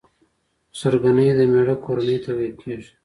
خسرګنۍ د مېړه کورنۍ ته ويل کيږي.